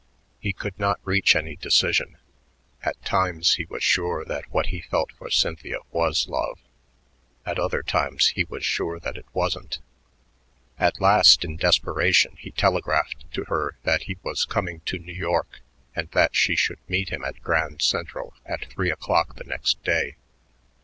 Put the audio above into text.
He could not reach any decision; at times he was sure that what he felt for Cynthia was love; at other times he was sure that it wasn't. At last in desperation he telegraphed to her that he was coming to New York and that she should meet him at Grand Central at three o'clock the next day.